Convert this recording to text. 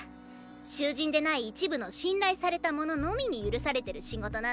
囚人でない一部の信頼された者のみに許されてる仕事なんだ。